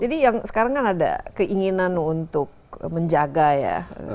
jadi yang sekarang kan ada keinginan untuk menjaga ya